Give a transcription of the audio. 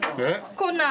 こんなん。